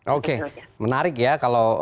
oke menarik ya kalau